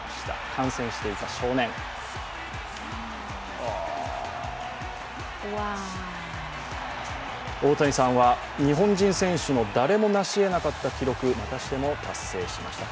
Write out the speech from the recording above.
観戦していた少年大谷さんは日本人選手の誰も成しえなかった記録を更新しました。